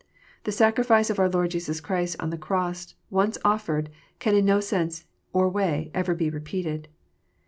The sacrifice of our Lord Jesus Christ on the cross once offered, can in no sense or way ever be repeated.